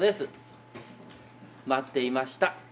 待っていました。